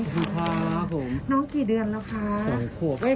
พี่นำลูกเขาด้วยเลยเตรียมขนมมาให้ค่ะ